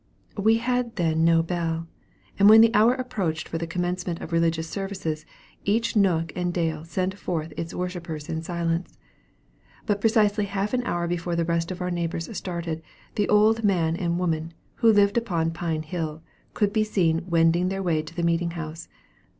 We had then no bell; and when the hour approached for the commencement of religious services, each nook and dale sent forth its worshippers in silence. But precisely half an hour before the rest of our neighbors started, the old man and woman, who lived upon Pine Hill, could be seen wending their way to the meeting house.